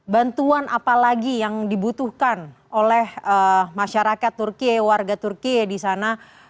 bantuan apa lagi yang dibutuhkan oleh masyarakat turki warga turki di sana